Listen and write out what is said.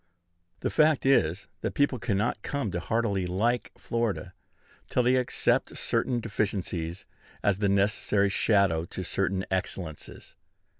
The fact is, that people cannot come to heartily like Florida till they accept certain deficiencies as the necessary shadow to certain excellences.